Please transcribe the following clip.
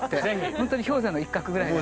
本当に氷山の一角ぐらいの。